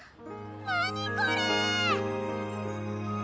何これ！